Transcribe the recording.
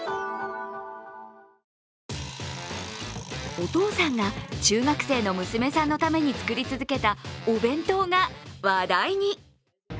お父さんが中学生の娘さんのために作り続けたお弁当が話題に。